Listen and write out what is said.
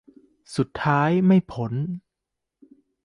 สุดท้ายไม่พ้น